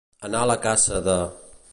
Anar a la caça de.